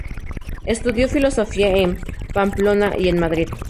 Estudió Filosofía en Pamplona y en Madrid.